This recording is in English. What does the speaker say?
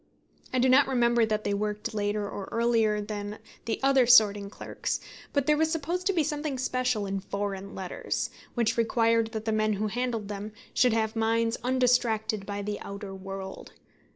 I do not remember that they worked later or earlier than the other sorting clerks; but there was supposed to be something special in foreign letters, which required that the men who handled them should have minds undistracted by the outer world.